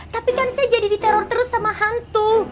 tapi kan saya jadi diteror terus sama hantu